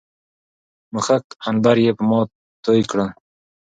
مښک، عنبر يې په ما توى کړل